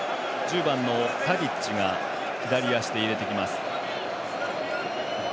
１０番のタディッチが左足で入れてきます。